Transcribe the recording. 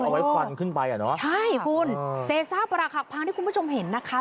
เอาไว้ควันขึ้นไปอ่ะเนอะใช่คุณเศษซ่าประหลักหักพังที่คุณผู้ชมเห็นนะคะ